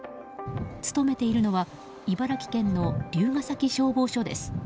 勤めているのは茨城県の龍ケ崎消防署です。